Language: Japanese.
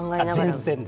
全然。